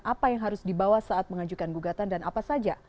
apa yang harus dibawa saat mengajukan gugatan dan apa saja